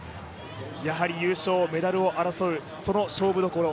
やはり、優勝メダルを争う、その勝負どころ。